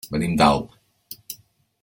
Venim d'Alp.